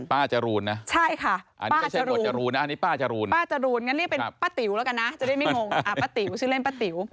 ป้าจรูนนะอันนี้ป้าจรูนงั้นเรียกเป็นป้าติ๋วแล้วกันนะจะได้ไม่งงชื่อเล่นป้าติ๋ว